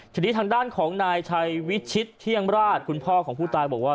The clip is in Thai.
ทีนี้ทางด้านของนายชัยวิชิตเที่ยงราชคุณพ่อของผู้ตายบอกว่า